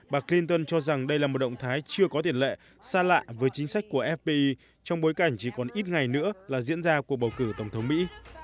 bà clinton cho rằng đây là một động thái chưa có tiền lệ xa lạ với chính sách của fpi trong bối cảnh chỉ còn ít ngày nữa là diễn ra cuộc bầu cử tổng thống mỹ